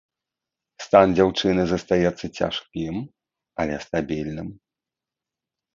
Стан дзяўчыны застаецца цяжкім, але стабільным.